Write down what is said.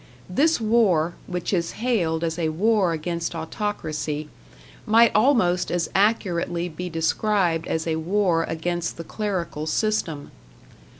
This war, which is hailed as a war against autocracy, might almost as accurately be described as a war against the clerical system.